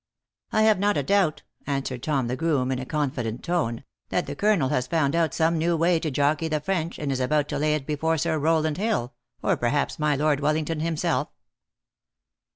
" I have not a doubt," answered Tom, the groom, in a confident tone, " that the colonel has found out some new way to jockey the French, and is about to lay it before Sir Rowland Hill, or, perhaps my Lord Wellington himself."